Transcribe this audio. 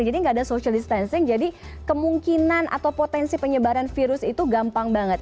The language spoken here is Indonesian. jadi nggak ada social distancing jadi kemungkinan atau potensi penyebaran virus itu gampang banget